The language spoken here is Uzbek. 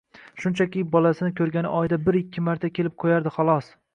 Shunchaki, bolasini ko'rgani oyda bir-ikki marta kelib qo'yardi, xolos